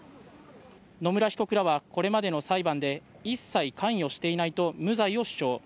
野村被告らはこれまでの裁判で、一切関与していないと無罪を主張。